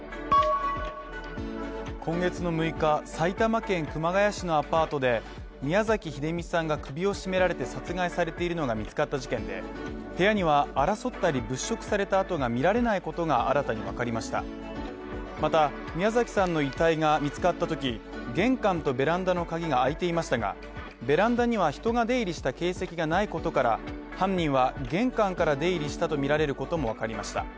今月の６日埼玉県熊谷市のアパートで宮崎英美秀美さんが首を絞められて殺害されているのが見つかった事件で部屋には争ったり物色された跡が見られないことが新たに分かりましたまた宮崎さんの遺体が見つかった時玄関とベランダの鍵が開いていましたがベランダには人が出入りした形跡がないことから犯人は玄関から出入りしたと見られることも分かりました